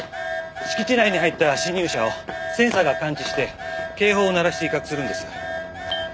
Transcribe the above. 敷地内に入った侵入者をセンサーが感知して警報を鳴らして威嚇するんです。